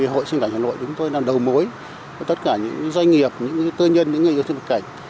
hội sinh vật cảnh hà nội đúng tôi là đầu mối của tất cả những doanh nghiệp những tư nhân những người yêu sinh vật cảnh